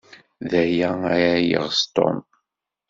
D aya ay yeɣs Tom.